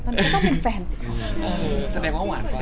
ตอนนี้ก็ต้องเป็นแฟนสิคะ